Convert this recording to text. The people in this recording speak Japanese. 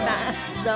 どうも。